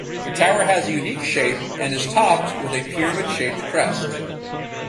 The tower has a unique shape and is topped with a pyramid-shaped crest.